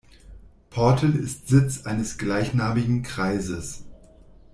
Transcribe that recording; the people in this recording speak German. Portel ist Sitz eines gleichnamigen Kreises.